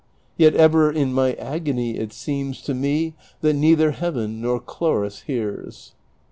Yet ever in my agony it seems To me that neitlier Heaven nor Chloris hears."